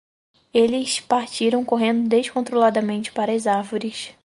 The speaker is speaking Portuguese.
Eles partiram correndo descontroladamente para as árvores.